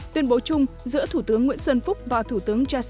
tuyên bố chung giữa thủ tướng nguyễn xuân phúc và thủ tướng nguyễn dương